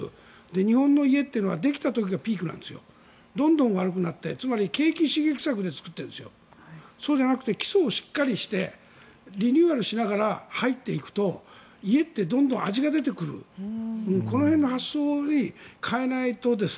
日本の家はできた時がピークでどんどん悪くなって要するに景気刺激策で作っていてそうじゃなくて基礎をしっかりしてリニューアルしながら入っていくと家ってどんどん味が出てくるこの辺の発想を変えないと。